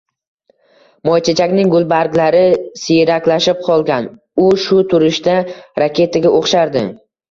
Moychechakning gulbarglari siyraklashib qolgan, u shu turishda raketaga oʻxshardi